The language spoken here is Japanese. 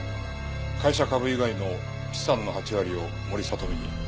会社株以外の資産の８割を森聡美に。